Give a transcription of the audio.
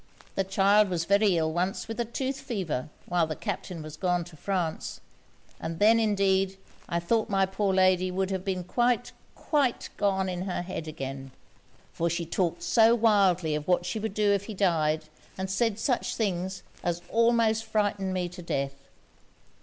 The child was very ill once with a tooth fever, while the Captain was gone to France; and then indeed I thought my poor lady would have been quite, quite gone in her head again; for she talked so wildly of what she would do if he died, and said such things, as almost frightened me to death.